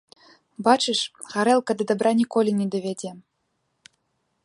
Бачыш, гарэлка да дабра ніколі не давядзе.